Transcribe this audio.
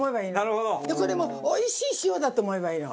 これもおいしい塩だと思えばいいの。